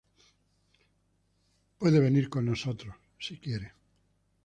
Puede venir con nosotros, si quiere.